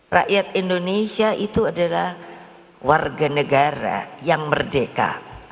rakyat indonesia itu adalah warga negara yang merdeka